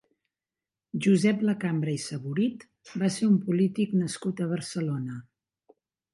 Josep Lacambra i Saborit va ser un polític nascut a Barcelona.